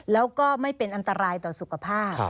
แล้วก็ไม่เป็นอันตรายต่อสุขภาพ